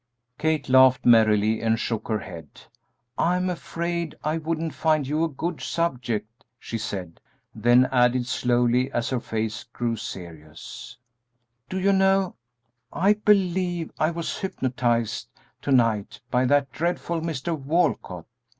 Kate laughed merrily and shook her head. "I'm afraid I wouldn't find you a good subject," she said; then added, slowly, as her face grew serious: "Do you know, I believe I was hypnotized to night by that dreadful Mr. Walcott.